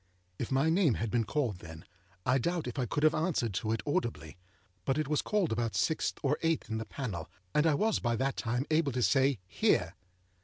If my name had been called then, I doubt if I could have answered to it audibly. But it was called about sixth or eighth in the panel, and I was by that time able to say, âHere!